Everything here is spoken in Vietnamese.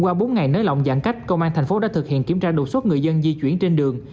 qua bốn ngày nới lỏng giãn cách công an thành phố đã thực hiện kiểm tra đột xuất người dân di chuyển trên đường